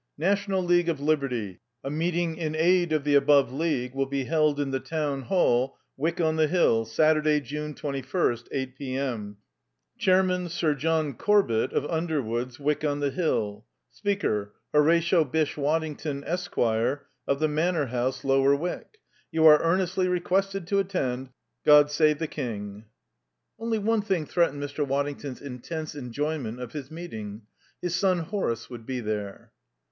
NATIONAL LEAGUE OF LIBERTY. A MEETING IN AID OF THE ABOVE LEAGUE WILL BE HELD IN THE TOWN HALL, WYCK ON THE HILL, Saturday, June 21st, 8 p.m. Chairman: SIR JOHN CORBETT, OF UNDERWOODS, WYCK ON THE HILL. Speaker: HORATIO BYSSHE WADDINGTON, ESQ., OF THE MANOR HOUSE, LOWER WYCK. YOU ARE EARNESTLY REQUESTED TO ATTEND. GOD SAVE THE KING! Only one thing threatened Mr. Waddington's intense enjoyment of his meeting: his son Horace would be there.